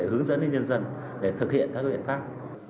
hướng dẫn đến nhân dân để thực hiện các biện pháp